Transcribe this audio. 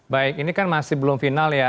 baik ini kan masih belum final ya